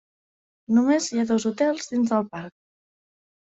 Només hi ha dos hotels dins del parc.